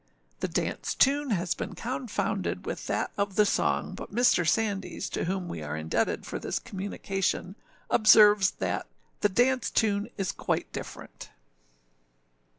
The dance tune has been confounded with that of the song, but Mr. Sandys, to whom we are indebted for this communication, observes that âthe dance tune is quite different.